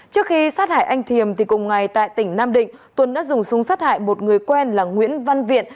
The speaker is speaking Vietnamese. trước khi sát hại anh thiềm cùng ngày tại tỉnh nam định tuấn đã dùng súng sát hại một người quen là nguyễn văn viện